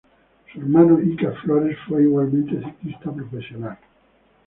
Su hermano Iker Flores fue igualmente ciclista profesional.